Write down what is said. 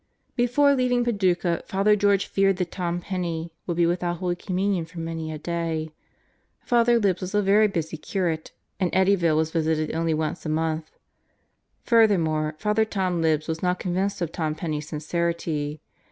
Before leaving Paducah, Father George feared that Tom Penney would be without Holy Communion for many a day. Father Libs was a very busy curate and Eddyville was visited only once a month. Furthermore, Father Tom Libs was not convinced of Tom Penney's sincerity.